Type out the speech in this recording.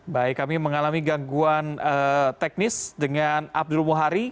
baik kami mengalami gangguan teknis dengan abdul muhari